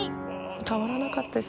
たまらなかったです。